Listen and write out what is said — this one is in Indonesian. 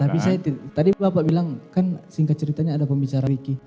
tapi tadi bapak bilang kan singkat ceritanya ada pembicara ricky